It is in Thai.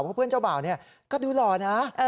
เพราะเพื่อนเจ้าบ่าวเนี่ยก็ดูหล่อนะ